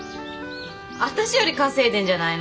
私より稼いでんじゃないの？